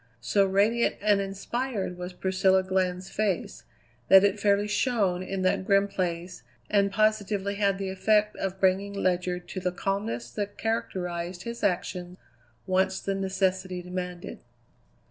So radiant and inspired was Priscilla Glenn's face that it fairly shone in that grim place and positively had the effect of bringing Ledyard to the calmness that characterized his action once the necessity demanded.